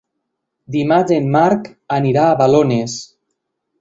Dimarts en Marc anirà a Balones.